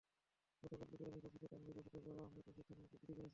গতকাল বিকেলে নিখোঁজ শিশু তানভির রাশিদের বাবা আহমেদ রশিদ থানায় জিডি করেছেন।